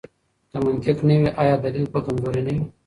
که منطق نه وي، آیا دلیل به کمزوری نه وي؟